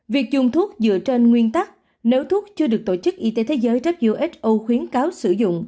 việc dùng thuốc dựa trên nguyên tắc nếu thuốc chưa được tổ chức y tế thế giới who khuyến cáo sử dụng